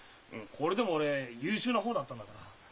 これでも俺優秀な方だったんだから。